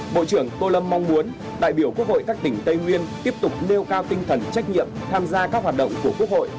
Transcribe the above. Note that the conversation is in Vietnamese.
bộ trưởng tô lâm mong muốn đại biểu quốc hội các tỉnh tây nguyên tiếp tục nêu cao tinh thần trách nhiệm tham gia các hoạt động của quốc hội